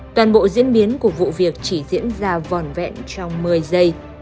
toàn bộ diễn biến của vụ việc chỉ diễn ra vòn vẹn trong một mươi giây